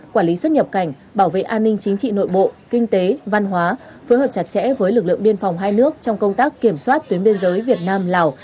quản lý xuất nhập cảnh bảo vệ an ninh chính trị nội bộ kinh tế văn hóa phối hợp chặt chẽ với lực lượng biên phòng hai nước trong công tác kiểm soát tuyến biên giới việt nam lào